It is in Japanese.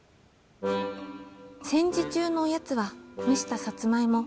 「戦時中のおやつは蒸したさつまいも。